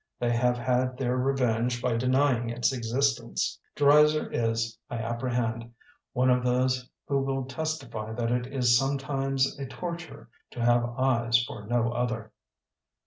They have had their revenge by denying its existence. Dreiser is, I apprehend, one of those who will testify that it is sometimes a torture to have eyes for no other.